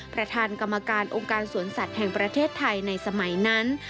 ประธานกรรมการองค์การสวนสัตว์แห่งประเทศไทยในสมัยนั้น